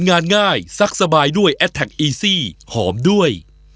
งานง่ายซักสบายด้วยย้นแคร์เอซี่หอมด้วย